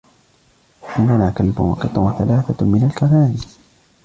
عندنا كلبٌ ، وقط ، وثلاثة من الكناري.